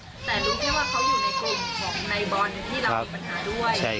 แต่รู้แค่ว่าเขาอยู่ในกลุ่มของในบอลที่เรามีปัญหาด้วย